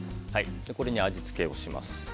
これに味付けをします。